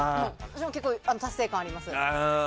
私も達成感があります。